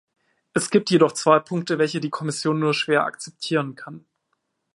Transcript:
Es gibt jedoch zwei Punkte, welche die Kommission nur schwer akzeptieren kann.